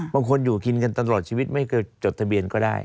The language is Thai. บางคนอยู่กินกันตลอดชีวิตไม่เคยจดทะเบียนก็ได้